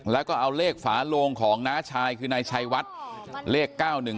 แล้วก็เอาเลขฝาโลงของน้าชายคือนายชัยวัดเลข๙๑๒